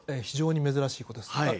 非常に珍しいことです。